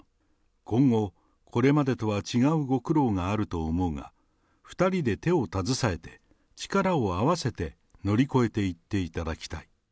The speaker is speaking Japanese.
今後、これまでとは違うご苦労があると思うが、２人で手を携えて、力を合わせて乗り越えていっていただきたい。